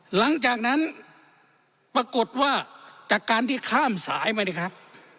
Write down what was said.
หลังจากนั้นปรากฏว่าจากการที่ข้ามสายมาเลยครับ